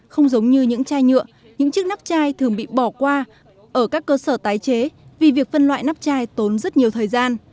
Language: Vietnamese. không giống như những chai nhựa những chiếc nắp chai thường bị bỏ qua ở các cơ sở tái chế vì việc phân loại nắp chai tốn rất nhiều thời gian